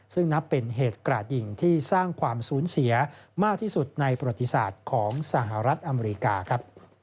ซึ่งนับเป็นเหตุกระดยิงที่สร้างความสูญเสียมากที่สุดในประวัติศาสตร์ของสหรัฐอเมริกาครับ